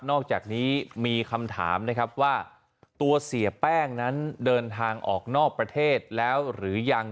อกจากนี้มีคำถามนะครับว่าตัวเสียแป้งนั้นเดินทางออกนอกประเทศแล้วหรือยัง